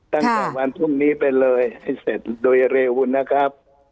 ตั้งแต่วันพรุ่งนี้ไปเลยให้เสร็จโดยเร็วนะครับ